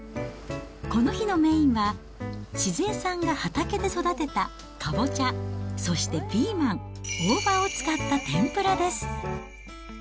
この日のメインは、静恵さんが畑で育てたカボチャ、そしてピーマン、大葉を使った天ぷらです。